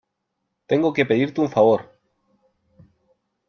tengo que pedirte un favor .